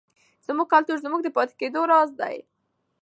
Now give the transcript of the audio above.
زموږ کلتور زموږ د پاتې کېدو راز دی.